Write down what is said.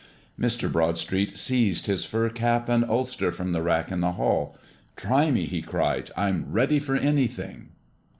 Mr. Broadstreet seized his fur cap and ulster from the rack in the hall. "Try me!" he cried. "I'm ready for anything!"